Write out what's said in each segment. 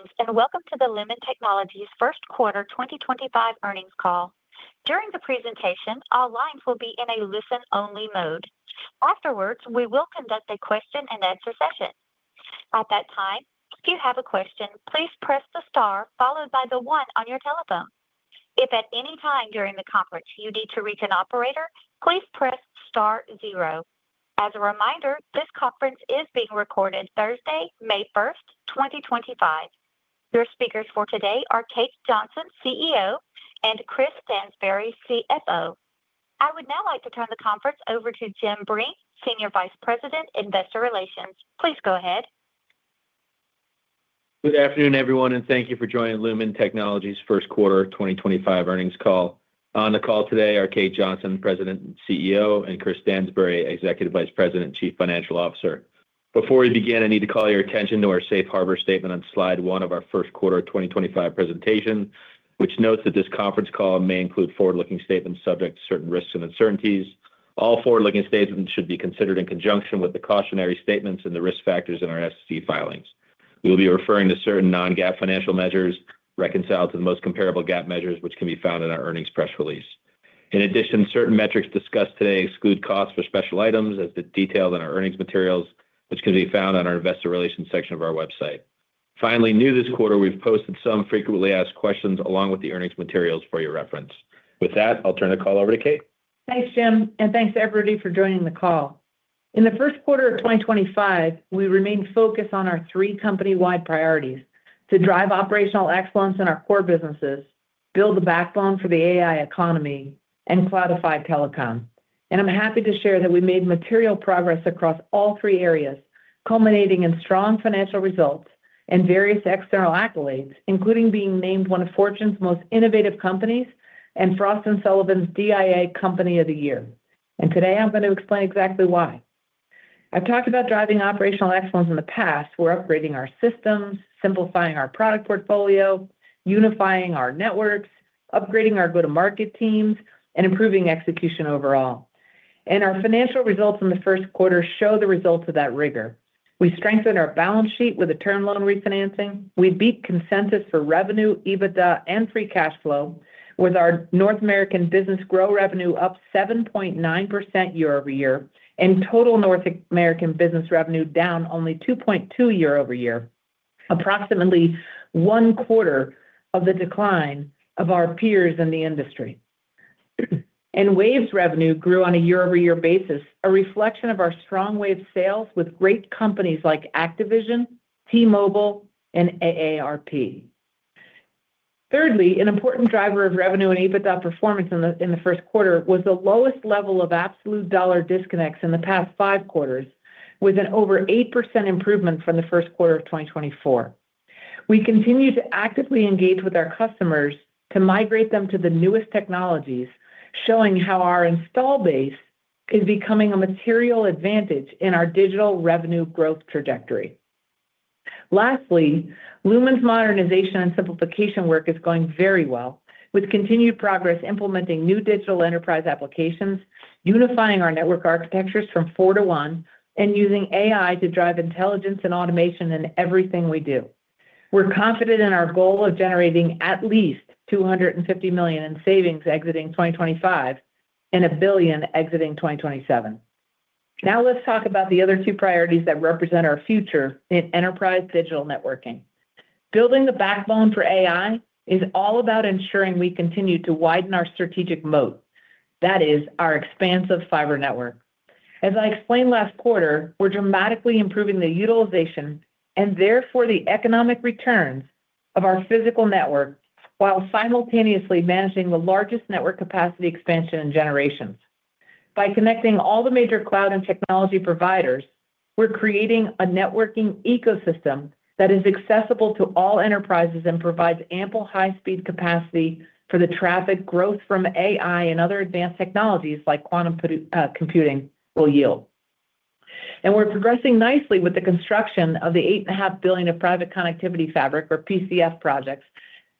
Greetings and welcome to the Lumen Technologies First Quarter 2025 Earnings Call. During the presentation, all lines will be in a listen-only mode. Afterwards, we will conduct a question-and-answer session. At that time, if you have a question, please press the star followed by the one on your telephone. If at any time during the conference you need to reach an operator, please press star zero. As a reminder, this conference is being recorded Thursday, May 1st, 2025. Your speakers for today are Kate Johnson, CEO, and Chris Stansbury, CFO. I would now like to turn the conference over to Jim Breen, Senior Vice President, Investor Relations. Please go ahead. Good afternoon, everyone, and thank you for joining Lumen Technologies first quarter 2025 earnings call. On the call today are Kate Johnson, President and CEO, and Chris Stansbury, Executive Vice President, Chief Financial Officer. Before we begin, I need to call your attention to our Safe Harbor statement on slide one of our first quarter 2025 presentation, which notes that this conference call may include forward-looking statements subject to certain risks and uncertainties. All forward-looking statements should be considered in conjunction with the cautionary statements and the risk factors in our SEC filings. We will be referring to certain non-GAAP financial measures reconciled to the most comparable GAAP measures, which can be found in our earnings press release. In addition, certain metrics discussed today exclude costs for special items, as detailed in our earnings materials, which can be found on our Investor Relations section of our website. Finally, new this quarter, we've posted some frequently asked questions along with the earnings materials for your reference. With that, I'll turn the call over to Kate. Thanks, Jim, and thanks to everybody for joining the call. In the first quarter of 2025, we remain focused on our three company-wide priorities: to drive operational excellence in our core businesses, build the backbone for the AI economy, and cloudify telecom. I am happy to share that we made material progress across all three areas, culminating in strong financial results and various external accolades, including being named one of Fortune's most innovative companies and Frost & Sullivan's DIA Company of the Year. Today, I am going to explain exactly why. I have talked about driving operational excellence in the past. We are upgrading our systems, simplifying our product portfolio, unifying our networks, upgrading our go-to-market teams, and improving execution overall. Our financial results in the first quarter show the results of that rigor. We strengthened our balance sheet with a term loan refinancing. We beat consensus for revenue, EBITDA, and free cash flow, with our North American business Grow revenue up 7.9% year-over-year and total North American business revenue down only 2.2% year-over-year, approximately one quarter of the decline of our peers in the industry. Waves revenue grew on a year-over-year basis, a reflection of our strong Wave sales with great companies like Activision, T-Mobile, and AARP. Thirdly, an important driver of revenue and EBITDA performance in the first quarter was the lowest level of absolute dollar disconnects in the past five quarters, with an over 8% improvement from the first quarter of 2024. We continue to actively engage with our customers to migrate them to the newest technologies, showing how our install base is becoming a material advantage in our digital revenue growth trajectory. Lastly, Lumen's modernization and simplification work is going very well, with continued progress implementing new digital enterprise applications, unifying our network architectures from four to one, and using AI to drive intelligence and automation in everything we do. We're confident in our goal of generating at least $250 million in savings exiting 2025 and $1 billion exiting 2027. Now, let's talk about the other two priorities that represent our future in enterprise digital networking. Building the backbone for AI is all about ensuring we continue to widen our strategic moat. That is our expansive fiber network. As I explained last quarter, we're dramatically improving the utilization and therefore the economic returns of our physical network while simultaneously managing the largest network capacity expansion in generations. By connecting all the major cloud and technology providers, we're creating a networking ecosystem that is accessible to all enterprises and provides ample high-speed capacity for the traffic growth from AI and other advanced technologies like quantum computing will yield. We're progressing nicely with the construction of the $8.5 billion of Private Connectivity Fabric, or PCF, projects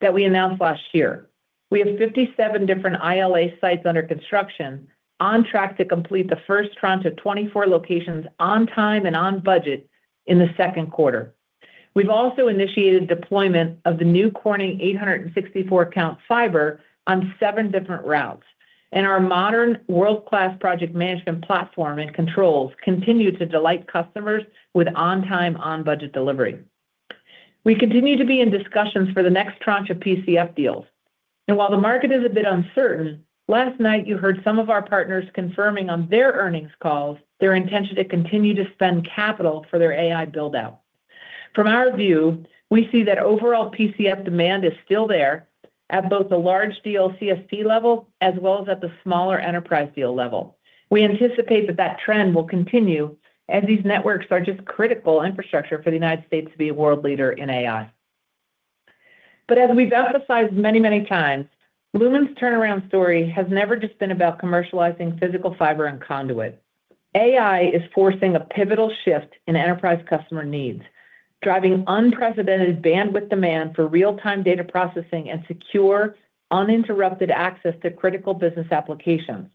that we announced last year. We have 57 different ILA sites under construction, on track to complete the first tranche of 24 locations on time and on budget in the second quarter. We've also initiated deployment of the new Corning 864 count fiber on seven different routes, and our modern world-class project management platform and controls continue to delight customers with on-time, on-budget delivery. We continue to be in discussions for the next tranche of PCF deals. While the market is a bit uncertain, last night you heard some of our partners confirming on their earnings calls their intention to continue to spend capital for their AI buildout. From our view, we see that overall PCF demand is still there at both the large deal CSP level as well as at the smaller enterprise deal level. We anticipate that that trend will continue as these networks are just critical infrastructure for the United States to be a world leader in AI. As we've emphasized many, many times, Lumen's turnaround story has never just been about commercializing physical fiber and conduit. AI is forcing a pivotal shift in enterprise customer needs, driving unprecedented bandwidth demand for real-time data processing and secure, uninterrupted access to critical business applications.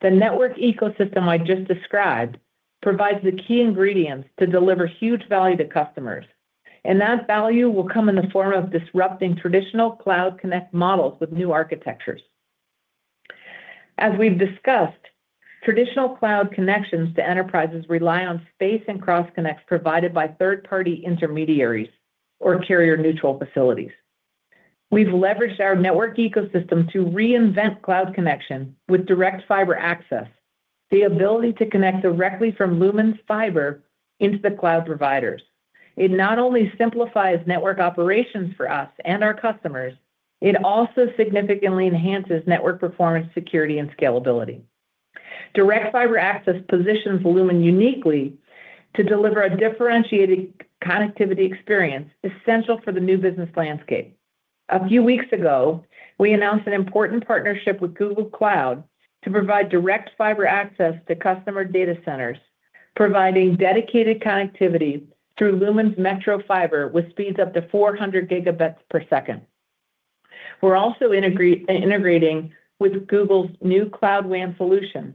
The network ecosystem I just described provides the key ingredients to deliver huge value to customers, and that value will come in the form of disrupting traditional Cloud Connect models with new architectures. As we've discussed, traditional cloud connections to enterprises rely on space and cross-connects provided by third-party intermediaries or carrier-neutral facilities. We've leveraged our network ecosystem to reinvent cloud connection with direct fiber access, the ability to connect directly from Lumen's fiber into the cloud providers. It not only simplifies network operations for us and our customers, it also significantly enhances network performance, security, and scalability. Direct fiber access positions Lumen uniquely to deliver a differentiated connectivity experience essential for the new business landscape. A few weeks ago, we announced an important partnership with Google Cloud to provide direct fiber access to customer data centers, providing dedicated connectivity through Lumen's Metro fiber with speeds up to 400 Gb per second. We are also integrating with Google's new Cloud WAN solution,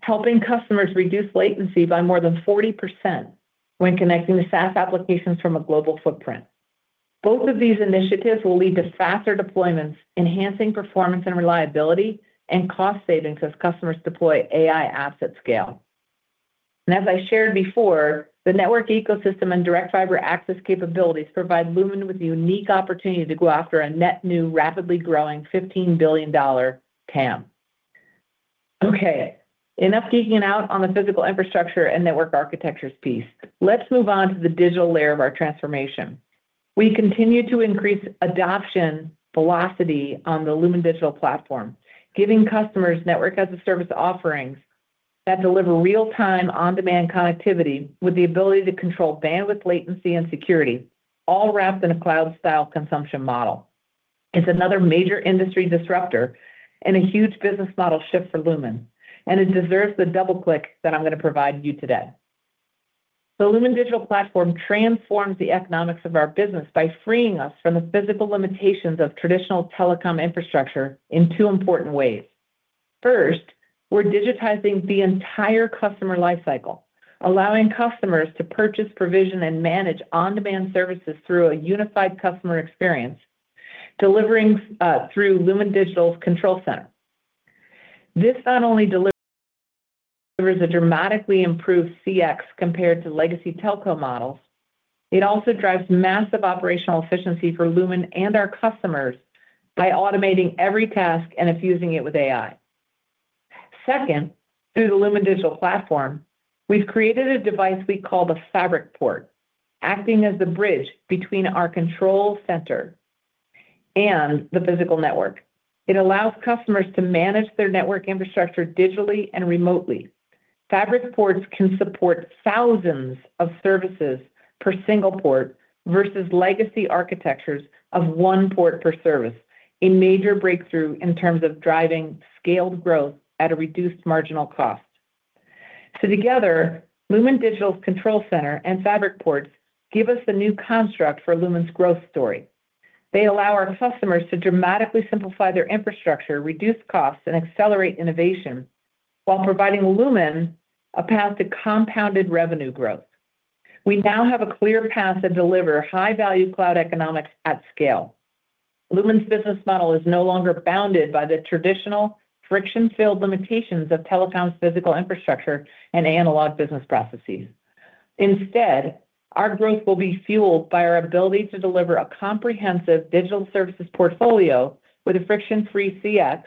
helping customers reduce latency by more than 40% when connecting to SaaS applications from a global footprint. Both of these initiatives will lead to faster deployments, enhancing performance and reliability, and cost savings as customers deploy AI apps at scale. As I shared before, the network ecosystem and direct fiber access capabilities provide Lumen with a unique opportunity to go after a net new, rapidly growing $15 billion TAM. Okay, enough geeking out on the physical infrastructure and network architectures piece. Let's move on to the digital layer of our transformation. We continue to increase adoption velocity on the Lumen Digital Platform, giving customers network-as-a-service offerings that deliver real-time, on-demand connectivity with the ability to control bandwidth, latency, and security, all wrapped in a cloud-style consumption model. It's another major industry disruptor and a huge business model shift for Lumen, and it deserves the double click that I'm going to provide you today. The Lumen Digital Platform transforms the economics of our business by freeing us from the physical limitations of traditional telecom infrastructure in two important ways. First, we're digitizing the entire customer lifecycle, allowing customers to purchase, provision, and manage on-demand services through a unified customer experience delivering through Lumen Digital's Control Center. This not only delivers a dramatically improved CX compared to legacy telco models, it also drives massive operational efficiency for Lumen and our customers by automating every task and infusing it with AI. Second, through the Lumen Digital platform, we've created a device we call the Fabric Port, acting as the bridge between our Control Center and the physical network. It allows customers to manage their network infrastructure digitally and remotely. Fabric Ports can support thousands of services per single port versus legacy architectures of one port per service, a major breakthrough in terms of driving scaled growth at a reduced marginal cost. Lumen Digital's Control Center and Fabric Ports give us the new construct for Lumen's growth story. They allow our customers to dramatically simplify their infrastructure, reduce costs, and accelerate innovation while providing Lumen a path to compounded revenue growth. We now have a clear path to deliver high-value cloud economics at scale. Lumen's business model is no longer bounded by the traditional friction-filled limitations of telecom's physical infrastructure and analog business processes. Instead, our growth will be fueled by our ability to deliver a comprehensive digital services portfolio with a friction-free CX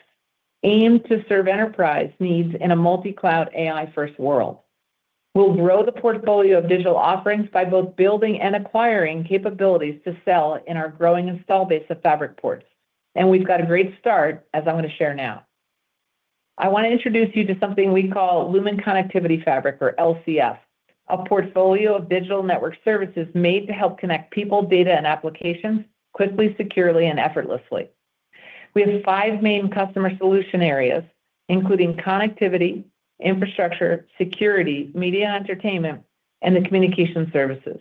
aimed to serve enterprise needs in a multi-cloud AI-first world. We'll grow the portfolio of digital offerings by both building and acquiring capabilities to sell in our growing install base of Fabric Ports. We've got a great start, as I'm going to share now. I want to introduce you to something we call Lumen Connectivity Fabric, or LCF, a portfolio of digital network services made to help connect people, data, and applications quickly, securely, and effortlessly. We have five main customer solution areas, including connectivity, infrastructure, security, media and entertainment, and the communication services.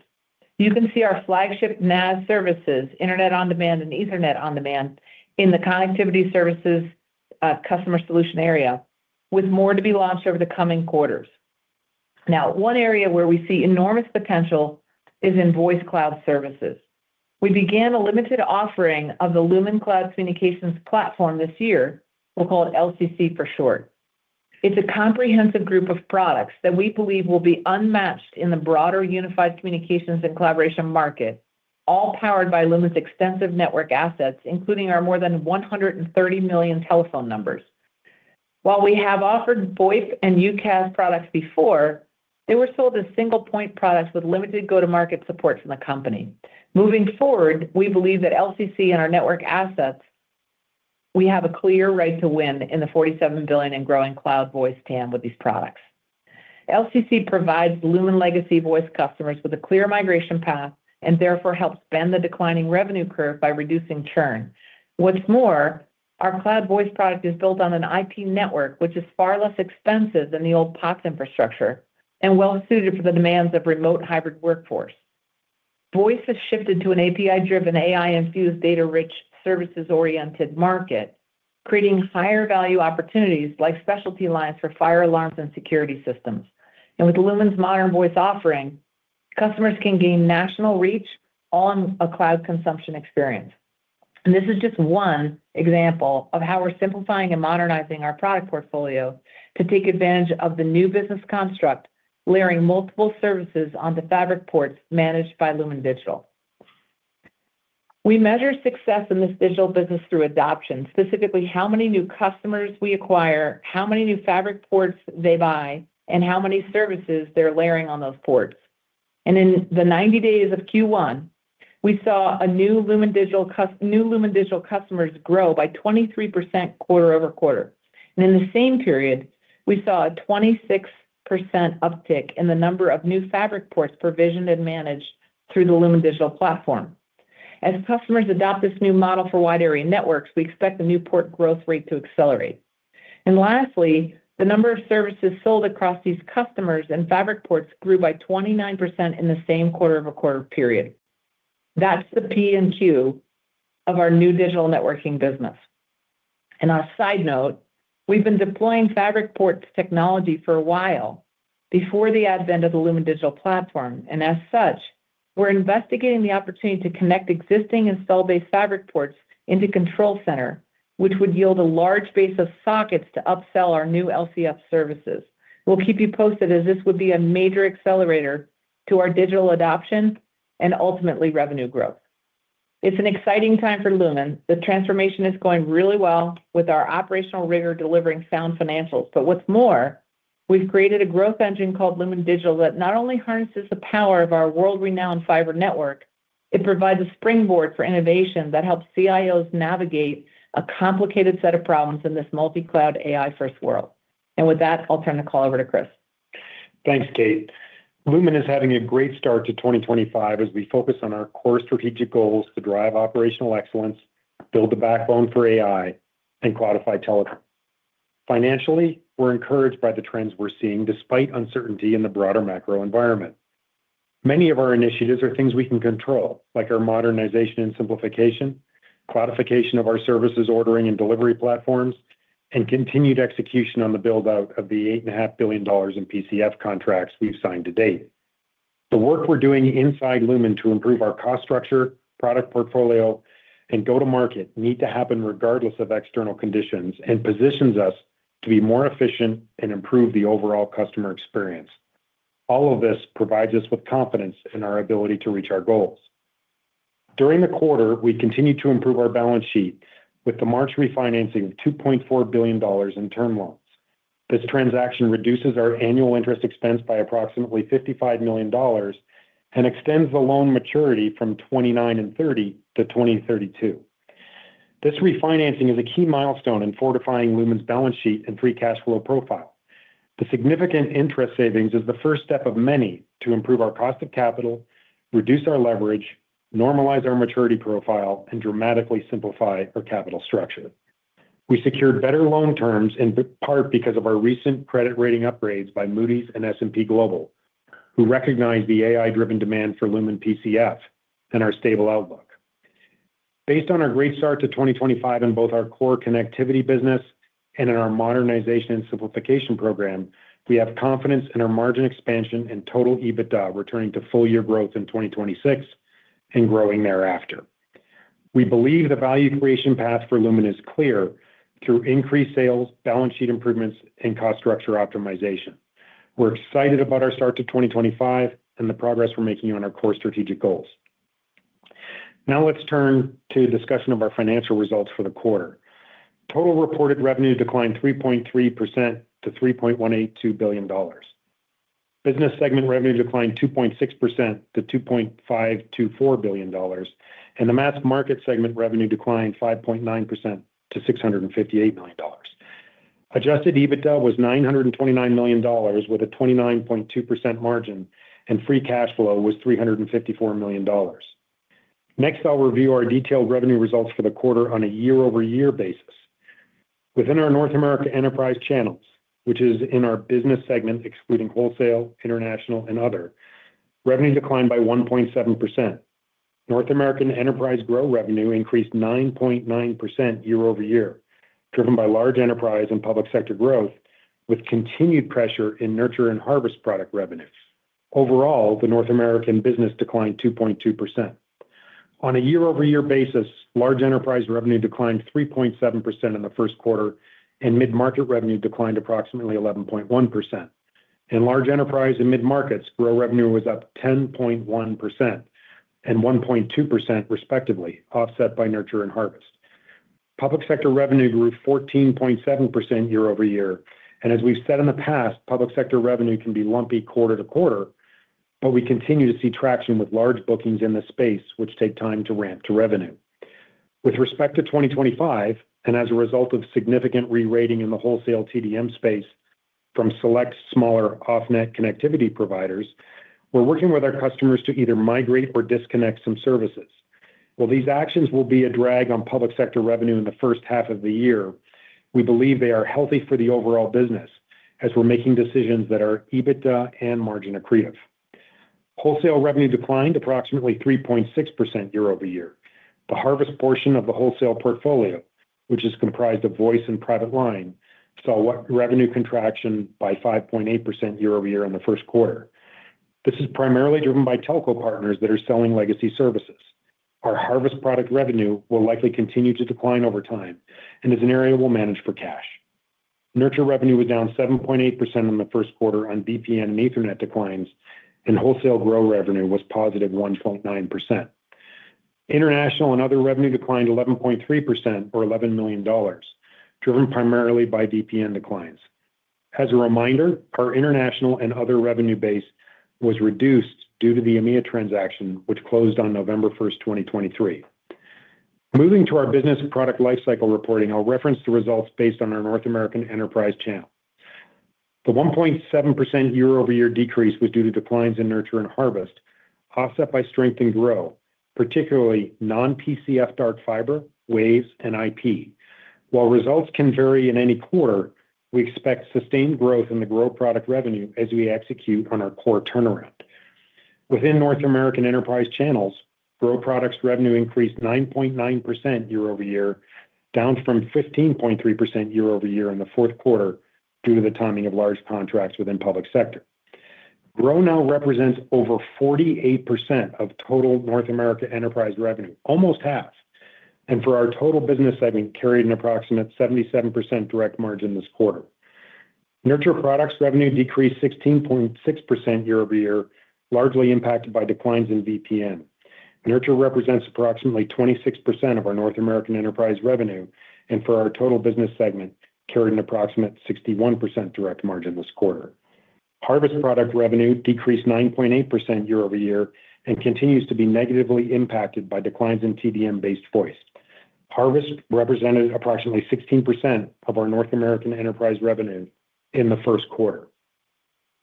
You can see our flagship NaaS services, Internet on Demand and Ethernet on Demand in the connectivity services customer solution area, with more to be launched over the coming quarters. Now, one area where we see enormous potential is in voice cloud services. We began a limited offering of the Lumen Cloud Communications platform this year. We'll call it LCC for short. It's a comprehensive group of products that we believe will be unmatched in the broader unified communications and collaboration market, all powered by Lumen's extensive network assets, including our more than 130 million telephone numbers. While we have offered VoIP and UCaaS products before, they were sold as single-point products with limited go-to-market support from the company. Moving forward, we believe that LCC and our network assets, we have a clear right to win in the $47 billion and growing cloud voice TAM with these products. LCC provides Lumen legacy voice customers with a clear migration path and therefore helps bend the declining revenue curve by reducing churn. What's more, our cloud voice product is built on an IP network, which is far less expensive than the old POPs infrastructure and well-suited for the demands of remote hybrid workforce. Voice has shifted to an API-driven, AI-infused, data-rich, services-oriented market, creating higher value opportunities like specialty lines for fire alarms and security systems. With Lumen's modern voice offering, customers can gain national reach on a cloud consumption experience. This is just one example of how we're simplifying and modernizing our product portfolio to take advantage of the new business construct, layering multiple services on the Fabric Ports managed by Lumen Digital. We measure success in this digital business through adoption, specifically how many new customers we acquire, how many new Fabric Ports they buy, and how many services they're layering on those ports. In the 90 days of Q1, we saw new Lumen Digital customers grow by 23% quarter over quarter. In the same period, we saw a 26% uptick in the number of new Fabric Ports provisioned and managed through the Lumen Digital platform. As customers adopt this new model for wide area networks, we expect the new port growth rate to accelerate. Lastly, the number of services sold across these customers and Fabric Ports grew by 29% in the same quarter-over-quarter period. That is the P&Q of our new digital networking business. On a side note, we have been deploying Fabric Ports technology for a while before the advent of the Lumen Digital platform. As such, we are investigating the opportunity to connect existing install-based Fabric Ports into Control Center, which would yield a large base of sockets to upsell our new LCF services. We'll keep you posted as this would be a major accelerator to our digital adoption and ultimately revenue growth. It's an exciting time for Lumen. The transformation is going really well with our operational rigor delivering sound financials. What's more, we've created a growth engine called Lumen Digital that not only harnesses the power of our world-renowned fiber network, it provides a springboard for innovation that helps CIOs navigate a complicated set of problems in this multi-cloud AI-first world. With that, I'll turn the call over to Chris. Thanks, Kate. Lumen is having a great start to 2025 as we focus on our core strategic goals to drive operational excellence, build the backbone for AI, and quantify telecom. Financially, we're encouraged by the trends we're seeing despite uncertainty in the broader macro environment. Many of our initiatives are things we can control, like our modernization and simplification, clarification of our services ordering and delivery platforms, and continued execution on the buildout of the $8.5 billion in PCF contracts we've signed to date. The work we're doing inside Lumen to improve our cost structure, product portfolio, and go-to-market need to happen regardless of external conditions and positions us to be more efficient and improve the overall customer experience. All of this provides us with confidence in our ability to reach our goals. During the quarter, we continue to improve our balance sheet with the March refinancing of $2.4 billion in term loans. This transaction reduces our annual interest expense by approximately $55 million and extends the loan maturity from 29 and 30 to 2032. This refinancing is a key milestone in fortifying Lumen's balance sheet and free cash flow profile. The significant interest savings is the first step of many to improve our cost of capital, reduce our leverage, normalize our maturity profile, and dramatically simplify our capital structure. We secured better loan terms in part because of our recent credit rating upgrades by Moody's and S&P Global, who recognize the AI-driven demand for Lumen PCF and our stable outlook. Based on our great start to 2025 in both our core connectivity business and in our modernization and simplification program, we have confidence in our margin expansion and total EBITDA returning to full-year growth in 2026 and growing thereafter. We believe the value creation path for Lumen is clear through increased sales, balance sheet improvements, and cost structure optimization. We're excited about our start to 2025 and the progress we're making on our core strategic goals. Now let's turn to discussion of our financial results for the quarter. Total reported revenue declined 3.3% to $3.182 billion. Business segment revenue declined 2.6% to $2.524 billion, and the mass market segment revenue declined 5.9% to $658 million. Adjusted EBITDA was $929 million with a 29.2% margin, and free cash flow was $354 million. Next, I'll review our detailed revenue results for the quarter on a year-over-year basis. Within our North America enterprise channels, which is in our business segment excluding wholesale, international, and other, revenue declined by 1.7%. North American enterprise Grow revenue increased 9.9% year-over-year, driven by large enterprise and public sector growth with continued pressure in Nurture and Harvest product revenues. Overall, the North American business declined 2.2%. On a year-over-year basis, large enterprise revenue declined 3.7% in the first quarter, and mid-market revenue declined approximately 11.1%. In large enterprise and mid-markets, grow revenue was up 10.1% and 1.2% respectively, offset by Nurture and Harvest. Public sector revenue grew 14.7% year-over-year. As we've said in the past, public sector revenue can be lumpy quarter-to-quarter, but we continue to see traction with large bookings in the space, which take time to ramp to revenue. With respect to 2025, and as a result of significant re-rating in the wholesale TDM space from select smaller off-net connectivity providers, we're working with our customers to either migrate or disconnect some services. While these actions will be a drag on public sector revenue in the first half of the year, we believe they are healthy for the overall business as we're making decisions that are EBITDA and margin accretive. Wholesale revenue declined approximately 3.6% year-over-year. The Harvest portion of the wholesale portfolio, which is comprised of voice and private line, saw revenue contraction by 5.8% year-over-year in the first quarter. This is primarily driven by telco partners that are selling legacy services. Our Harvest product revenue will likely continue to decline over time and is an area we'll manage for cash. Nurture revenue was down 7.8% in the first quarter on VPN and Ethernet declines, and wholesale grow revenue was positive 1.9%. International and other revenue declined 11.3% or $11 million, driven primarily by VPN declines. As a reminder, our international and other revenue base was reduced due to the EMEA transaction, which closed on November 1, 2023. Moving to our business product lifecycle reporting, I'll reference the results based on our North American enterprise channel. The 1.7% year-over-year decrease was due to declines in Nurture and Harvest, offset by strengthened grow, particularly non-PCF dark fiber, Waves, and IP. While results can vary in any quarter, we expect sustained growth in the Grow product revenue as we execute on our core turnaround. Within North American enterprise channels, Grow products revenue increased 9.9% year-over-year, down from 15.3% year-over-year in the fourth quarter due to the timing of large contracts within public sector. Grow now represents over 48% of total North America enterprise revenue, almost half. For our total business segment, carried an approximate 77% direct margin this quarter. Nurture products revenue decreased 16.6% year-over-year, largely impacted by declines in VPN. Nurture represents approximately 26% of our North American enterprise revenue, and for our total business segment, carried an approximate 61% direct margin this quarter. Harvest product revenue decreased 9.8% year-over-year and continues to be negatively impacted by declines in TDM-based voice. Harvest represented approximately 16% of our North American enterprise revenue in the first quarter.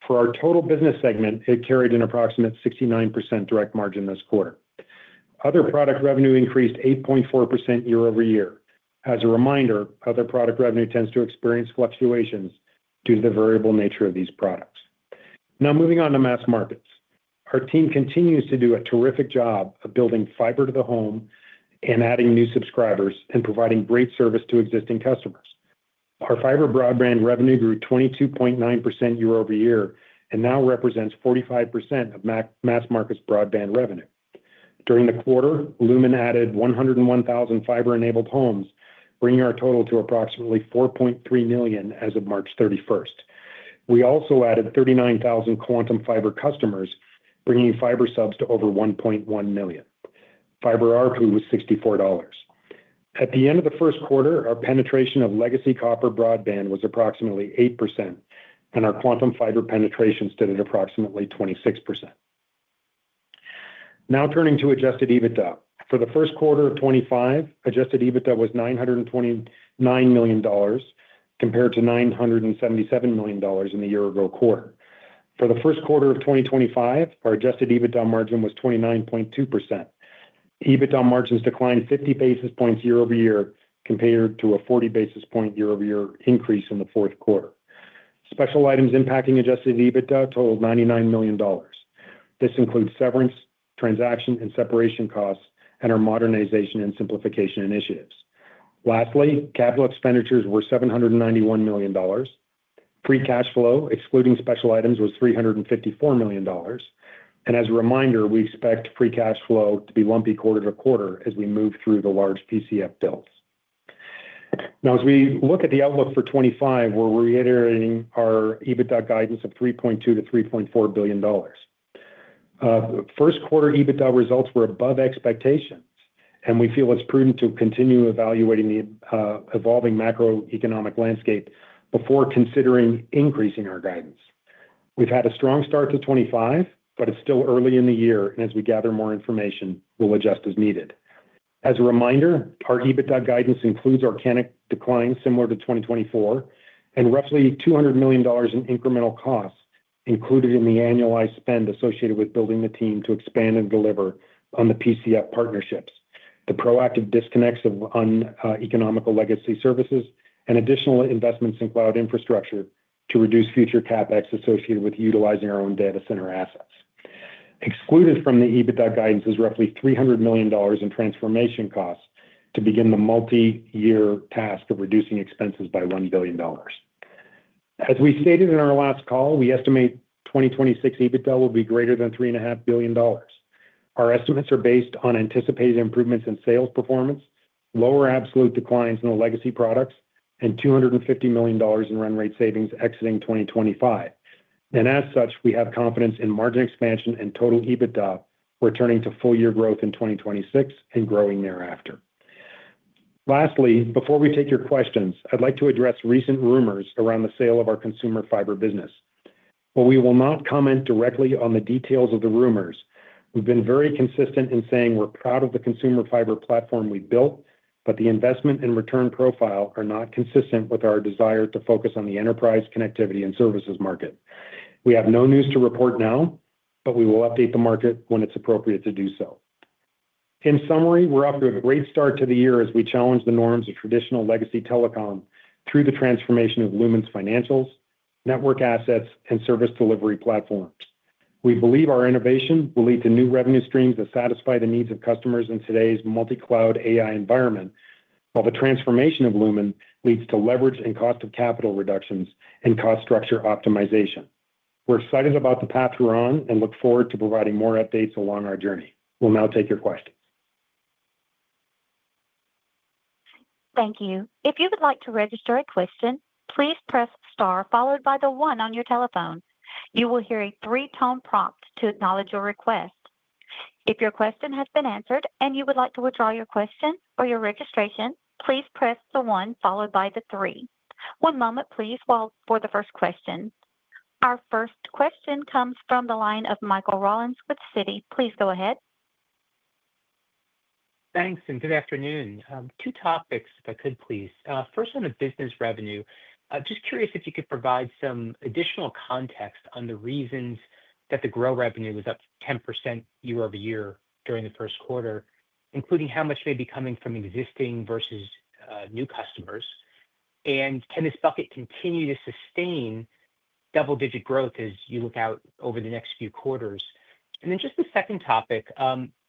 For our total business segment, it carried an approximate 69% direct margin this quarter. Other product revenue increased 8.4% year-over-year. As a reminder, other product revenue tends to experience fluctuations due to the variable nature of these products. Now moving on to Mass Markets. Our team continues to do a terrific job of building fiber to the home and adding new subscribers and providing great service to existing customers. Our fiber broadband revenue grew 22.9% year-over-year and now represents 45% of Mass Markets broadband revenue. During the quarter, Lumen added 101,000 fiber-enabled homes, bringing our total to approximately 4.3 million as of March 31st. We also added 39,000 Quantum Fiber customers, bringing fiber subs to over 1.1 million. Fiber ARPU was $64. At the end of the first quarter, our penetration of legacy copper broadband was approximately 8%, and our Quantum Fiber penetration stood at approximately 26%. Now turning to adjusted EBITDA. For the first quarter of 2025, adjusted EBITDA was $929 million compared to $977 million in the year-ago quarter. For the first quarter of 2025, our adjusted EBITDA margin was 29.2%. EBITDA margins declined 50 basis points year-over-year compared to a 40 basis point year-over-year increase in the fourth quarter. Special items impacting adjusted EBITDA totaled $99 million. This includes severance, transaction, and separation costs, and our modernization and simplification initiatives. Lastly, capital expenditures were $791 million. Free cash flow, excluding special items, was $354 million. As a reminder, we expect free cash flow to be lumpy quarter-to-quarter as we move through the large PCF builds. Now, as we look at the outlook for 2025, we're reiterating our EBITDA guidance of $3.2 billion-$3.4 billion. First quarter EBITDA results were above expectations, and we feel it's prudent to continue evaluating the evolving macroeconomic landscape before considering increasing our guidance. We've had a strong start to 2025, but it's still early in the year, and as we gather more information, we'll adjust as needed. As a reminder, our EBITDA guidance includes organic declines similar to 2024 and roughly $200 million in incremental costs included in the annualized spend associated with building the team to expand and deliver on the PCF partnerships, the proactive disconnects of economical legacy services, and additional investments in cloud infrastructure to reduce future CapEx associated with utilizing our own data center assets. Excluded from the EBITDA guidance is roughly $300 million in transformation costs to begin the multi-year task of reducing expenses by $1 billion. As we stated in our last call, we estimate 2026 EBITDA will be greater than $3.5 billion. Our estimates are based on anticipated improvements in sales performance, lower absolute declines in the legacy products, and $250 million in run rate savings exiting 2025. As such, we have confidence in margin expansion and total EBITDA returning to full-year growth in 2026 and growing thereafter. Lastly, before we take your questions, I'd like to address recent rumors around the sale of our consumer fiber business. While we will not comment directly on the details of the rumors, we've been very consistent in saying we're proud of the consumer fiber platform we've built, but the investment and return profile are not consistent with our desire to focus on the enterprise connectivity and services market. We have no news to report now, but we will update the market when it's appropriate to do so. In summary, we're off to a great start to the year as we challenge the norms of traditional legacy telecom through the transformation of Lumen's financials, network assets, and service delivery platforms. We believe our innovation will lead to new revenue streams that satisfy the needs of customers in today's multi-cloud AI environment, while the transformation of Lumen leads to leverage and cost of capital reductions and cost structure optimization. We're excited about the path we're on and look forward to providing more updates along our journey. We'll now take your questions. Thank you. If you would like to register a question, please press star followed by the one on your telephone. You will hear a three-tone prompt to acknowledge your request. If your question has been answered and you would like to withdraw your question or your registration, please press the one followed by the three. One moment, please, while for the first question. Our first question comes from the line of Michael Rollins with Citi. Please go ahead. Thanks, and good afternoon. Two topics, if I could, please. First, on the business revenue, just curious if you could provide some additional context on the reasons that the Grow revenue was up 10% year-over-year during the first quarter, including how much may be coming from existing versus new customers, and can this bucket continue to sustain double-digit growth as you look out over the next few quarters. The second topic,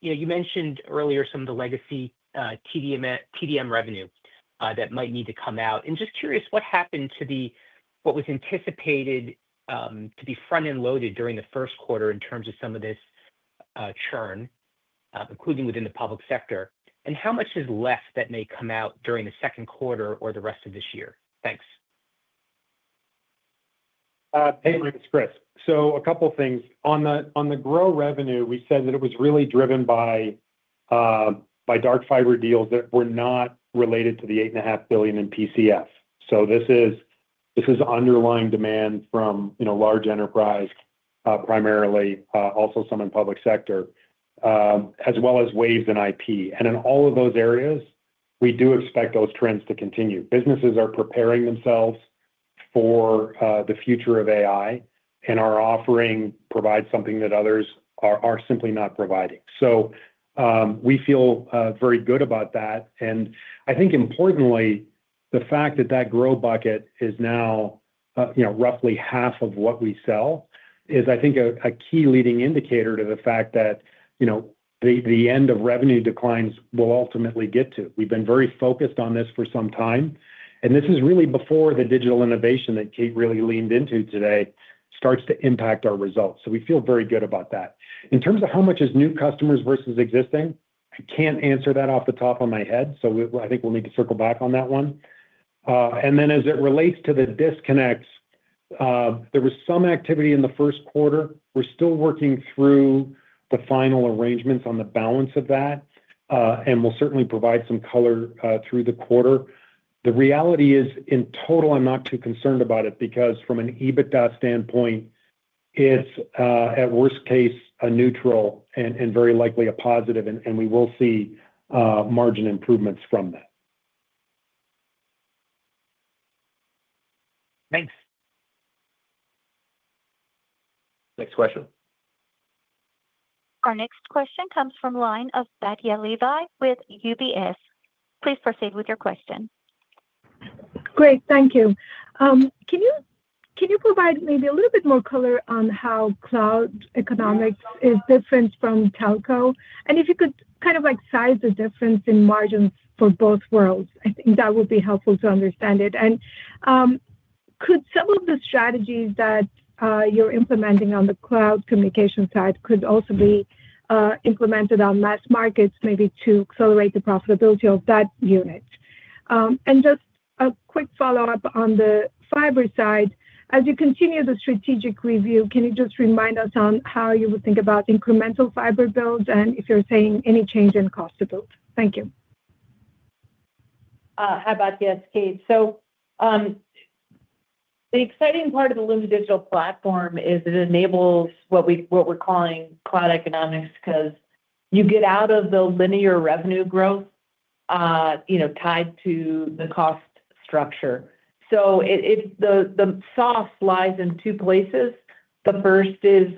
you mentioned earlier some of the legacy TDM revenue that might need to come out. Just curious, what happened to what was anticipated to be front-end loaded during the first quarter in terms of some of this churn, including within the public sector, and how much is left that may come out during the second quarter or the rest of this year? Thanks. Hey, it's Chris. A couple of things. On the Grow revenue, we said that it was really driven by dark fiber deals that were not related to the $8.5 billion in PCF. This is underlying demand from large enterprise, primarily, also some in public sector, as well as Waves and IP. In all of those areas, we do expect those trends to continue. Businesses are preparing themselves for the future of AI, and our offering provides something that others are simply not providing. We feel very good about that. I think, importantly, the fact that that Grow bucket is now roughly half of what we sell is, I think, a key leading indicator to the fact that the end of revenue declines we'll ultimately get to. We've been very focused on this for some time. This is really before the digital innovation that Kate really leaned into today starts to impact our results. We feel very good about that. In terms of how much is new customers versus existing, I can't answer that off the top of my head, so I think we'll need to circle back on that one. As it relates to the disconnects, there was some activity in the first quarter. We're still working through the final arrangements on the balance of that, and we'll certainly provide some color through the quarter. The reality is, in total, I'm not too concerned about it because from an EBITDA standpoint, it's, at worst case, a neutral and very likely a positive, and we will see margin improvements from that. Thanks. Next question. Our next question comes from line of Batya Levi with UBS. Please proceed with your question. Great. Thank you. Can you provide maybe a little bit more color on how cloud economics is different from telco? If you could kind of size the difference in margins for both worlds, I think that would be helpful to understand it. Could some of the strategies that you're implementing on the cloud communication side also be implemented on Mass Markets maybe to accelerate the profitability of that unit? Just a quick follow-up on the fiber side. As you continue the strategic review, can you just remind us on how you would think about incremental fiber builds and if you're seeing any change in cost to both? Thank you. Hi Batya, it's Kate. The exciting part of the Lumen Digital Platform is it enables what we're calling cloud economics because you get out of the linear revenue growth tied to the cost structure. The sauce lies in two places. The first is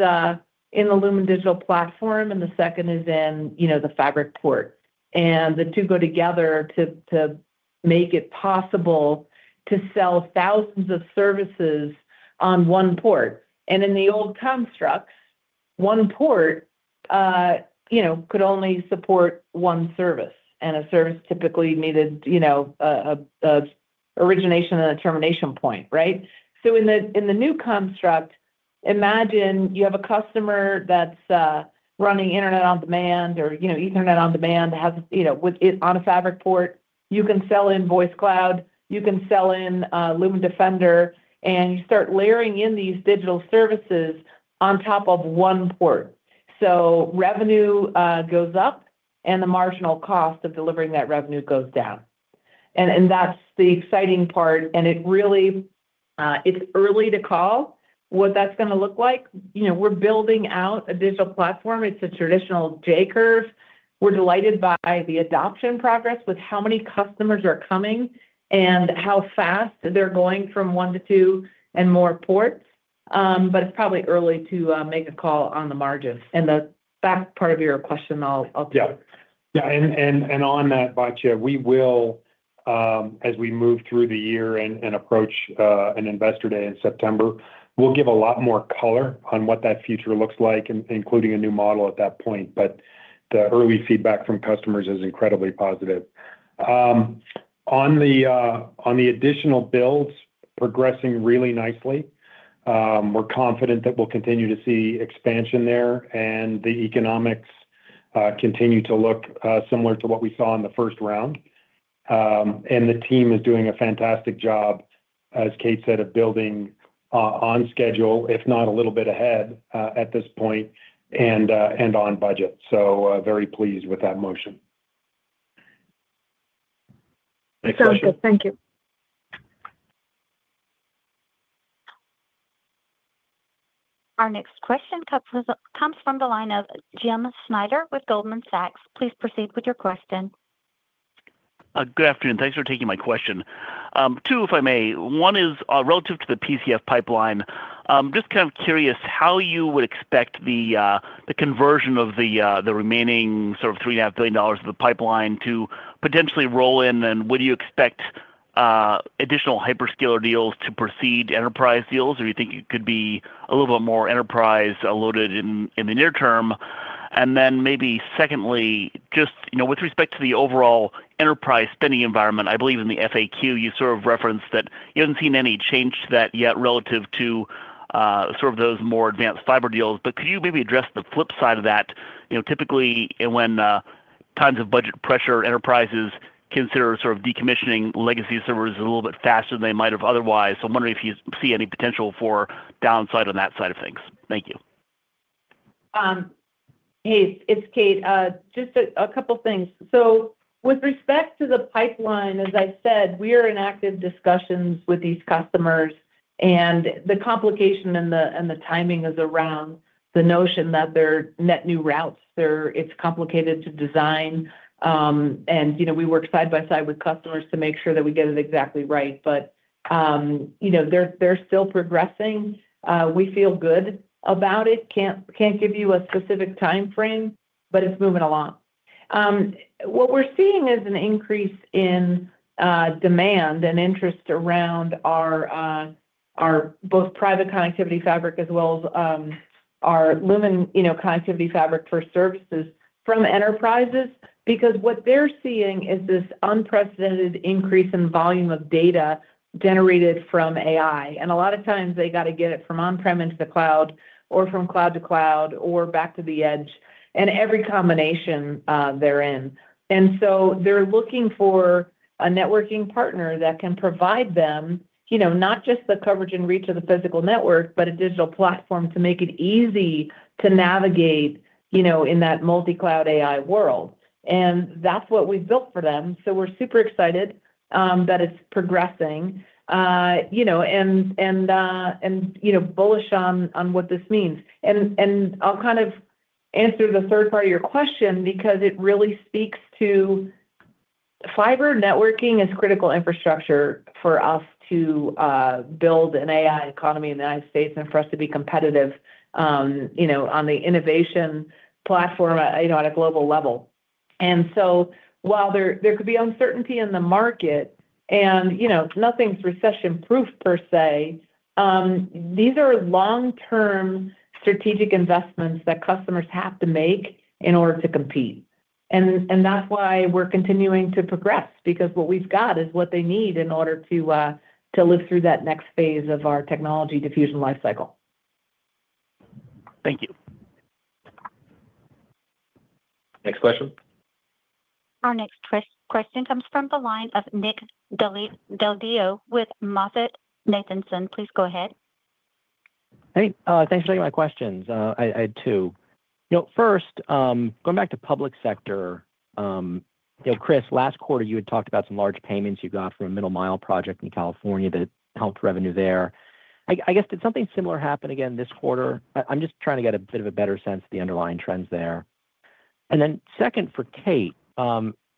in the Lumen Digital Platform, and the second is in the Fabric Port. The two go together to make it possible to sell thousands of services on one port. In the old constructs, one port could only support one service, and a service typically needed an origination and a termination point, right? In the new construct, imagine you have a customer that's running Internet on Demand or Ethernet on Demand on a Fabric Port. You can sell in Voice Cloud. You can sell in Lumen Defender, and you start layering in these digital services on top of one port. Revenue goes up, and the marginal cost of delivering that revenue goes down. That's the exciting part. It's early to call what that's going to look like. We're building out a digital platform. It's a traditional J-curve. We're delighted by the adoption progress with how many customers are coming and how fast they're going from one to two and more ports. It's probably early to make a call on the margins. The back part of your question, I'll take it. Yeah. Yeah. On that, Bhatia, we will, as we move through the year and approach an investor day in September, give a lot more color on what that future looks like, including a new model at that point. The early feedback from customers is incredibly positive. The additional builds are progressing really nicely. We're confident that we'll continue to see expansion there and the economics continue to look similar to what we saw in the first round. The team is doing a fantastic job, as Kate said, of building on schedule, if not a little bit ahead at this point, and on budget. Very pleased with that motion. Sounds good. Thank you. Our next question comes from the line of Jim Schneider with Goldman Sachs. Please proceed with your question. Good afternoon. Thanks for taking my question. Two, if I may. One is relative to the PCF pipeline. Just kind of curious how you would expect the conversion of the remaining sort of $3.5 billion of the pipeline to potentially roll in, and would you expect additional hyperscaler deals to precede enterprise deals, or do you think it could be a little bit more enterprise loaded in the near term? Then maybe secondly, just with respect to the overall enterprise spending environment, I believe in the FAQ, you sort of referenced that you haven't seen any change to that yet relative to sort of those more advanced fiber deals. Could you maybe address the flip side of that? Typically, when times of budget pressure, enterprises consider sort of decommissioning legacy servers a little bit faster than they might have otherwise. I'm wondering if you see any potential for downside on that side of things. Thank you. Hey, it's Kate. Just a couple of things. With respect to the pipeline, as I said, we are in active discussions with these customers, and the complication and the timing is around the notion that they're net new routes. It's complicated to design, and we work side by side with customers to make sure that we get it exactly right. They're still progressing. We feel good about it. Can't give you a specific time frame, but it's moving along. What we're seeing is an increase in demand and interest around both Private Connectivity Fabric as well as our Lumen Connectivity Fabric for services from enterprises because what they're seeing is this unprecedented increase in volume of data generated from AI. A lot of times, they got to get it from on-prem into the cloud or from cloud to cloud or back to the edge and every combination they're in. They are looking for a networking partner that can provide them not just the coverage and reach of the physical network, but a digital platform to make it easy to navigate in that multi-cloud AI world. That is what we've built for them. We are super excited that it's progressing and bullish on what this means. I'll kind of answer the third part of your question because it really speaks to fiber networking as critical infrastructure for us to build an AI economy in the United States and for us to be competitive on the innovation platform at a global level. While there could be uncertainty in the market and nothing's recession-proof per se, these are long-term strategic investments that customers have to make in order to compete. That's why we're continuing to progress because what we've got is what they need in order to live through that next phase of our technology diffusion lifecycle. Thank you. Next question. Our next question comes from the line of Nick Del Deo with MoffettNathanson. Please go ahead. Hey. Thanks for taking my questions. I had two. First, going back to public sector, Chris, last quarter, you had talked about some large payments you got from a middle-mile project in California that helped revenue there. I guess, did something similar happen again this quarter? I'm just trying to get a bit of a better sense of the underlying trends there. Second, for Kate,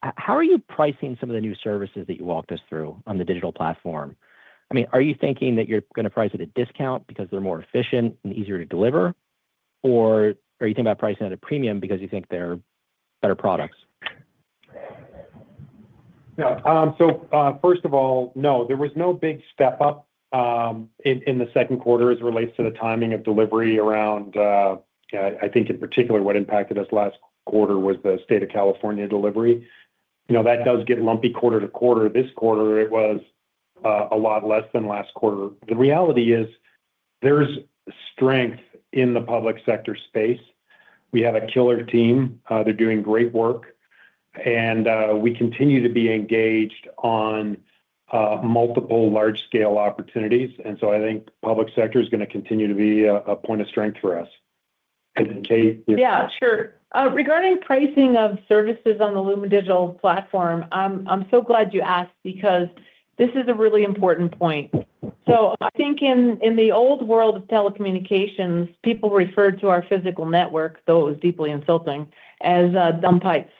how are you pricing some of the new services that you walked us through on the digital platform? I mean, are you thinking that you're going to price at a discount because they're more efficient and easier to deliver, or are you thinking about pricing at a premium because you think they're better products? Yeah. First of all, no, there was no big step up in the second quarter as it relates to the timing of delivery around, I think, in particular, what impacted us last quarter was the state of California delivery. That does get lumpy quarter-to-quarter. This quarter, it was a lot less than last quarter. The reality is there's strength in the public sector space. We have a killer team. They're doing great work. We continue to be engaged on multiple large-scale opportunities. I think public sector is going to continue to be a point of strength for us. And Kate. Yeah, sure. Regarding pricing of services on the Lumen Digital Platform, I'm so glad you asked because this is a really important point. I think in the old world of telecommunications, people referred to our physical network, though it was deeply insulting, as dumb pipes.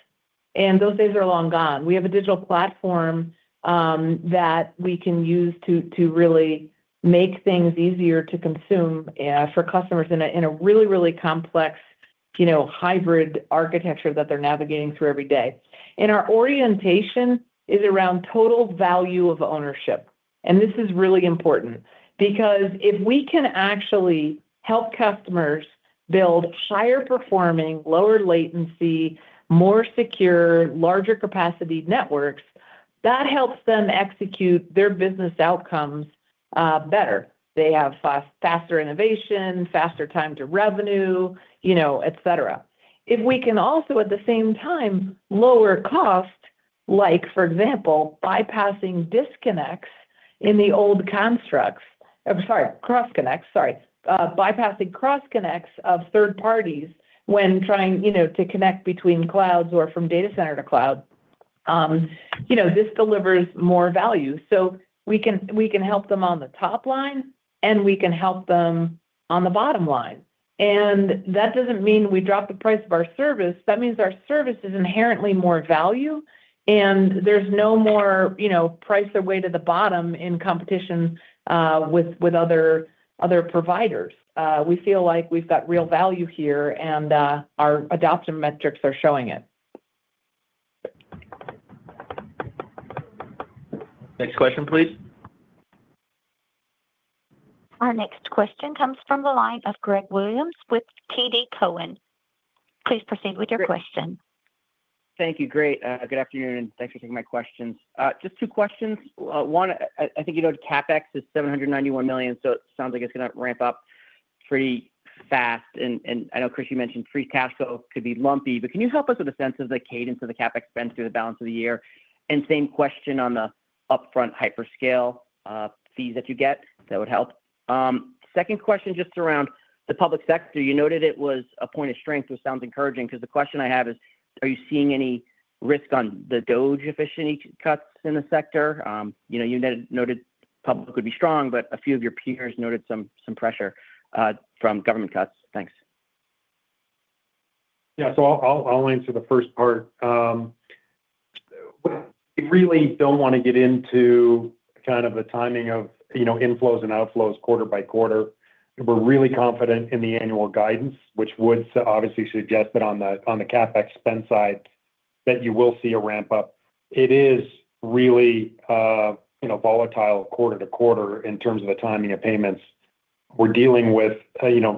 Those days are long gone. We have a digital platform that we can use to really make things easier to consume for customers in a really, really complex hybrid architecture that they're navigating through every day. Our orientation is around total value of ownership. This is really important because if we can actually help customers build higher-performing, lower-latency, more secure, larger-capacity networks, that helps them execute their business outcomes better. They have faster innovation, faster time to revenue, etc. If we can also, at the same time, lower cost, like, for example, bypassing disconnects in the old constructs—sorry, cross-connects, sorry—bypassing cross-connects of third parties when trying to connect between clouds or from data center to cloud, this delivers more value. We can help them on the top line, and we can help them on the bottom line. That does not mean we drop the price of our service. That means our service is inherently more value, and there is no more price away to the bottom in competition with other providers. We feel like we have got real value here, and our adoption metrics are showing it. Next question, please. Our next question comes from the line of Greg Williams with TD Cowen. Please proceed with your question. Thank you. Great. Good afternoon, and thanks for taking my questions. Just two questions. One, I think you noted CapEx is $791 million, so it sounds like it's going to ramp up pretty fast. I know, Chris, you mentioned free cash flow could be lumpy, but can you help us with a sense of the cadence of the CapEx spend through the balance of the year? Same question on the upfront hyperscale fees that you get, that would help. Second question just around the public sector. You noted it was a point of strength, which sounds encouraging. The question I have is, are you seeing any risk on the DOGE efficiency cuts in the sector? You noted public would be strong, but a few of your peers noted some pressure from government cuts. Thanks. Yeah. I'll answer the first part. We really don't want to get into kind of the timing of inflows and outflows quarter by quarter. We're really confident in the annual guidance, which would obviously suggest that on the CapEx spend side that you will see a ramp up. It is really volatile quarter-to-quarter in terms of the timing of payments. We're dealing with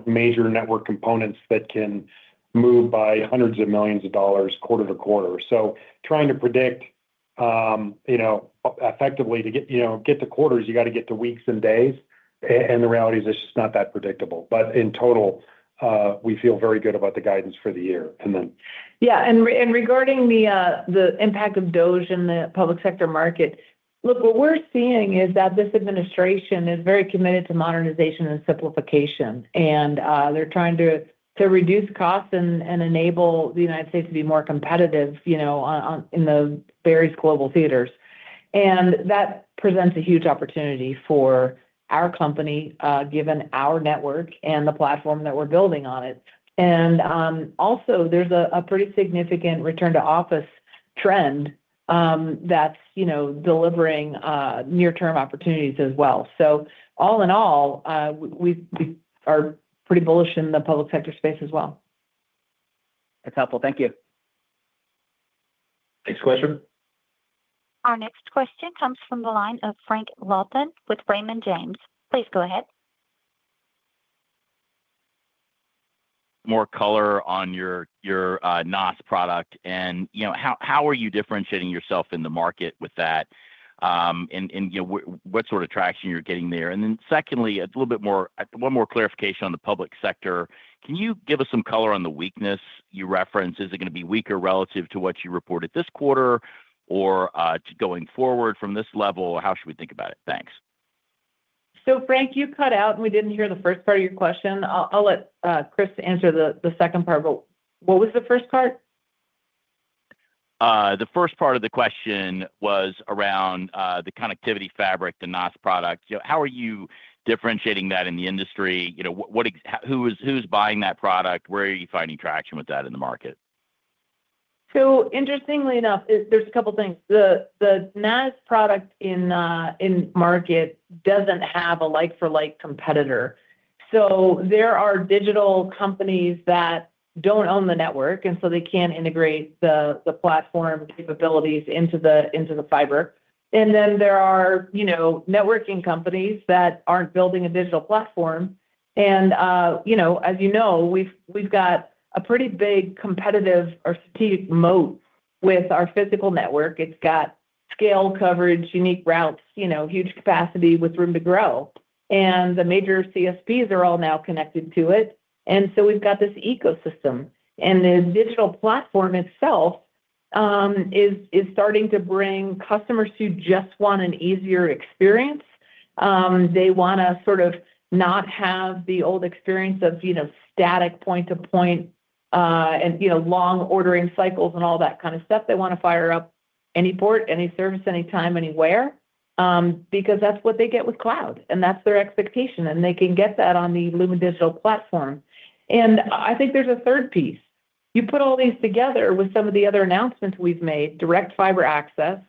major network components that can move by hundreds of millions of dollars quarter-to-quarter. Trying to predict effectively to get to quarters, you got to get to weeks and days. The reality is it's just not that predictable. In total, we feel very good about the guidance for the year. Yeah. Regarding the impact of DOGE in the public sector market, look, what we're seeing is that this administration is very committed to modernization and simplification. They're trying to reduce costs and enable the United States to be more competitive in the various global theaters. That presents a huge opportunity for our company given our network and the platform that we're building on it. Also, there's a pretty significant return-to-office trend that's delivering near-term opportunities as well. All in all, we are pretty bullish in the public sector space as well. That's helpful. Thank you. Next question. Our next question comes from the line of Frank Louthan with Raymond James. Please go ahead. More color on your NaaS product. How are you differentiating yourself in the market with that? What sort of traction are you getting there? Secondly, one more clarification on the public sector. Can you give us some color on the weakness you referenced? Is it going to be weaker relative to what you reported this quarter or going forward from this level? How should we think about it? Thanks. Frank, you cut out, and we did not hear the first part of your question. I'll let Chris answer the second part. What was the first part? The first part of the question was around the connectivity fabric, the NaaS product. How are you differentiating that in the industry? Who's buying that product? Where are you finding traction with that in the market? Interestingly enough, there's a couple of things. The NaaS product in market doesn't have a like-for-like competitor. There are digital companies that don't own the network, and so they can't integrate the platform capabilities into the fiber. There are networking companies that aren't building a digital platform. As you know, we've got a pretty big competitive or strategic moat with our physical network. It's got scale coverage, unique routes, huge capacity with room to grow. The major CSPs are all now connected to it. We've got this ecosystem. The digital platform itself is starting to bring customers who just want an easier experience. They want to sort of not have the old experience of static point-to-point and long ordering cycles and all that kind of stuff. They want to fire up any port, any service, anytime, anywhere because that's what they get with cloud. That's their expectation. They can get that on the Lumen Digital Platform. I think there's a third piece. You put all these together with some of the other announcements we've made, direct fiber access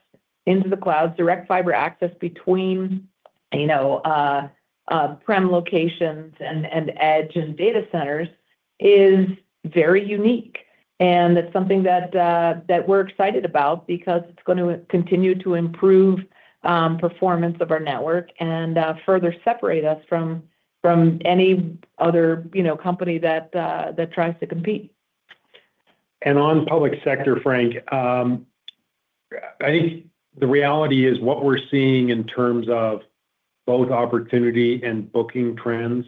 into the cloud, direct fiber access between prem locations and edge and data centers is very unique. That's something that we're excited about because it's going to continue to improve performance of our network and further separate us from any other company that tries to compete. On public sector, Frank, I think the reality is what we're seeing in terms of both opportunity and booking trends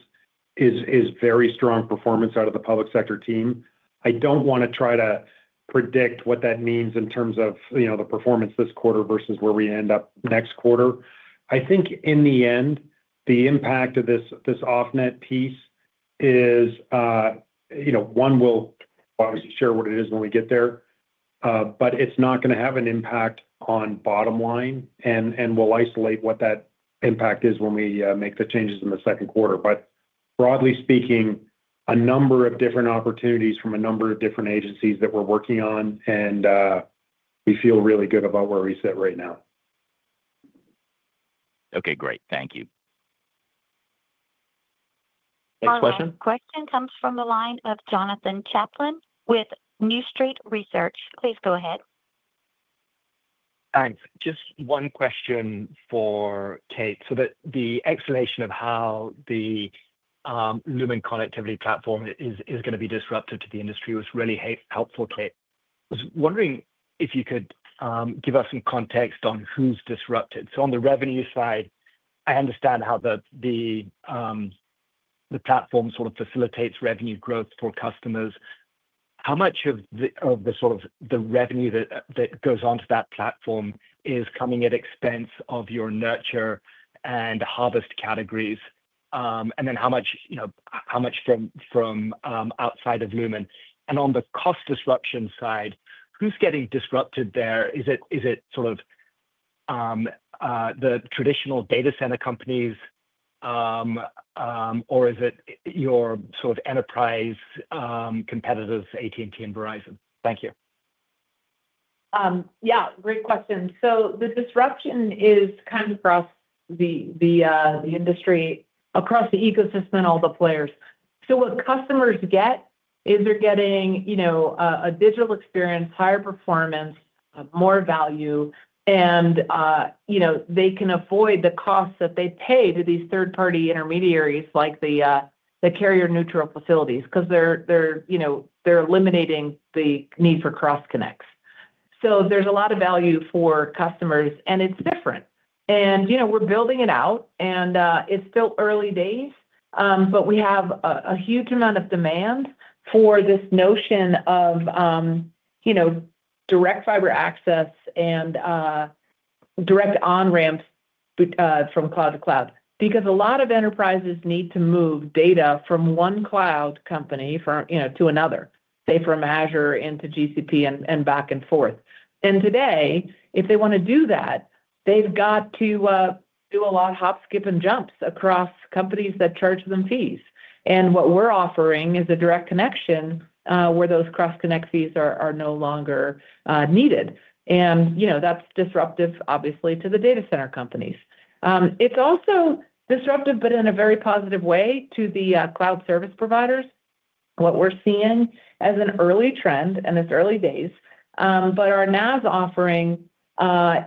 is very strong performance out of the public sector team. I don't want to try to predict what that means in terms of the performance this quarter versus where we end up next quarter. I think in the end, the impact of this off-net piece is one we will obviously share what it is when we get there, but it's not going to have an impact on bottom line and will isolate what that impact is when we make the changes in the second quarter. Broadly speaking, a number of different opportunities from a number of different agencies that we're working on, and we feel really good about where we sit right now. Okay. Great. Thank you. Next question. Our question comes from the line of Jonathan Chaplin with New Street Research. Please go ahead. Thanks. Just one question for Kate. The explanation of how the Lumen Connectivity Platform is going to be disruptive to the industry was really helpful, Kate. I was wondering if you could give us some context on who's disrupted. On the revenue side, I understand how the platform sort of facilitates revenue growth for customers. How much of the sort of the revenue that goes onto that platform is coming at expense of your Nurture and Harvest categories? How much from outside of Lumen? On the cost disruption side, who's getting disrupted there? Is it sort of the traditional data center companies, or is it your sort of enterprise competitors, AT&T and Verizon? Thank you. Yeah. Great question. The disruption is kind of across the industry, across the ecosystem, all the players. What customers get is they're getting a digital experience, higher performance, more value, and they can avoid the costs that they pay to these third-party intermediaries like the carrier-neutral facilities because they're eliminating the need for cross-connects. There's a lot of value for customers, and it's different. We're building it out, and it's still early days, but we have a huge amount of demand for this notion of direct fiber access and direct on-ramps from cloud to cloud because a lot of enterprises need to move data from one cloud company to another, say, from Azure into GCP and back and forth. Today, if they want to do that, they've got to do a lot of hop, skip, and jumps across companies that charge them fees. What we're offering is a direct connection where those cross-connect fees are no longer needed. That is disruptive, obviously, to the data center companies. It is also disruptive, but in a very positive way, to the cloud service providers. What we're seeing as an early trend in its early days, but our NaaS offering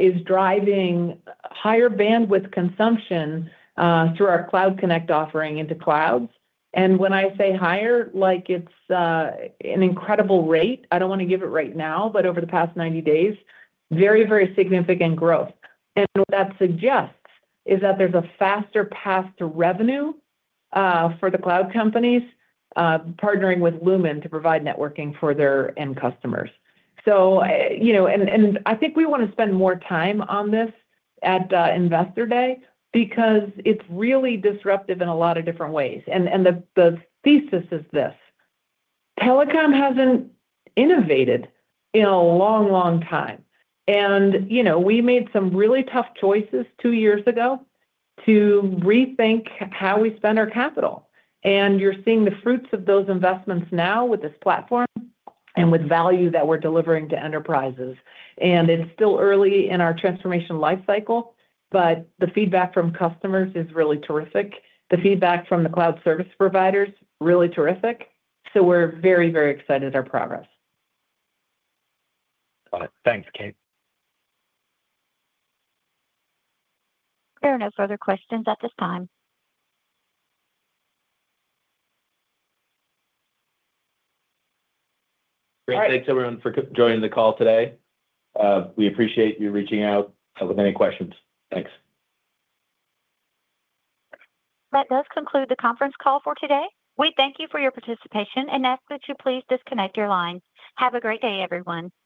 is driving higher bandwidth consumption through our Cloud Connect offering into clouds. When I say higher, it is an incredible rate. I do not want to give it right now, but over the past 90 days, very, very significant growth. What that suggests is that there is a faster path to revenue for the cloud companies partnering with Lumen to provide networking for their end customers. I think we want to spend more time on this at Investor Day because it is really disruptive in a lot of different ways. The thesis is this: telecom hasn't innovated in a long, long time. We made some really tough choices two years ago to rethink how we spend our capital. You're seeing the fruits of those investments now with this platform and with value that we're delivering to enterprises. It is still early in our transformation life cycle, but the feedback from customers is really terrific. The feedback from the cloud service providers, really terrific. We are very, very excited at our progress. Got it. Thanks, Kate. There are no further questions at this time. Great. Thanks, everyone, for joining the call today. We appreciate you reaching out with any questions. Thanks. That does conclude the conference call for today. We thank you for your participation and ask that you please disconnect your lines. Have a great day, everyone.